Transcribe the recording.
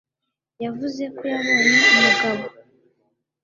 yavuze ko yabonye umugabo